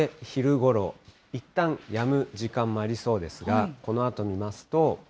昼ごろ、いったんやむ時間もありそうですが、このあと見ますと。